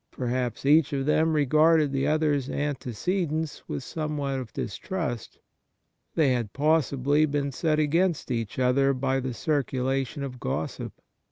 Perhaps each of them regarded the other's antecedents with some w^hat of distrust. They had possibly been Kind Words 67 set against each other by the circulation of gossip.